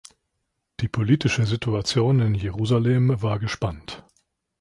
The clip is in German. Die politische Situation in Jerusalem war gespannt.